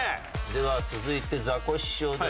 では続いてザコシショウですが。